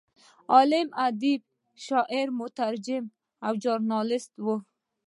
عالم، ادیب، شاعر، مترجم او ژورنالست و.